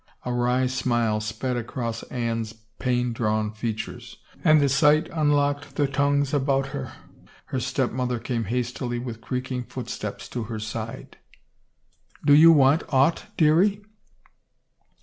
A wry smile sped across Anne's pain drawn features, and the sight unlocked the tongues about her. Her step mother came hastily with creaking footsteps to her side. " Do you want aught, dearie